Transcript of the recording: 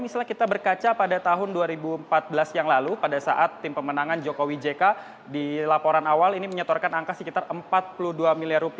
misalnya kita berkaca pada tahun dua ribu empat belas yang lalu pada saat tim pemenangan jokowi jk di laporan awal ini menyetorkan angka sekitar rp empat puluh dua miliar